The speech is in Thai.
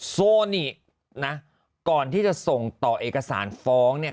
โซนินะก่อนที่จะส่งต่อเอกสารฟ้องเนี่ย